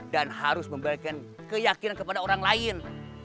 dan harus memberikan keyakinan kepada orang lain